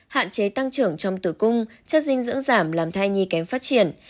hạn chế tăng trưởng trong tử cung chất dinh dưỡng giảm làm thai nhi kém phát triển